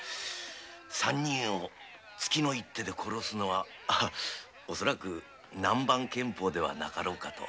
三人を突きの一手で殺すのは恐らく南蛮剣法ではなかろうかと。